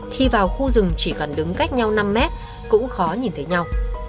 khi vào khu rừng chỉ cần đứng cách nhau năm mét cũng khó nhìn thấy nhau